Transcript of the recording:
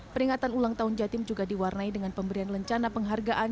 peringatan ulang tahun jatim juga diwarnai dengan pemberian lencana penghargaan